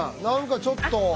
何かちょっと。